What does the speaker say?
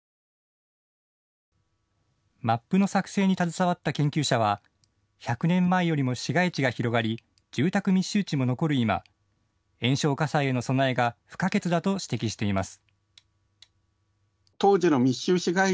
マップの作成に携わった研究者は１００年前よりも市街地が広がり住宅密集地も残る今、延焼火災への備えが不可欠だと指摘しています。